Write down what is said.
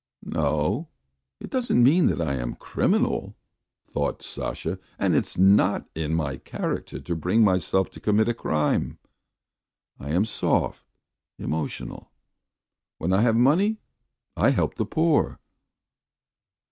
"No, it doesn't mean that I am a criminal ..." thought Sasha. "And it's not in my character to bring myself to commit a crime. I am soft, emotional. ... When I have the money I help the poor.